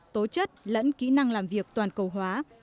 tố chất lẫn kỹ năng làm việc toàn cầu hóa